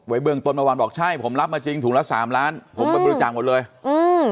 เบื้องต้นเมื่อวานบอกใช่ผมรับมาจริงถุงละสามล้านผมไปบริจาคหมดเลยอืม